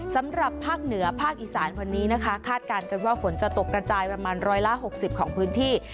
สำหรับภาคเหนือภาคอีสานวันนี้นะคะคาดการณ์กันว่าฝนจะตกกระจายประมาณร้อยละ๖๐ของพื้นที่